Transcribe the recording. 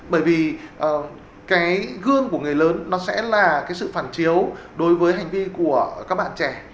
bởi vì cái gương của người lớn nó sẽ là cái sự phản chiếu đối với hành vi của các bạn trẻ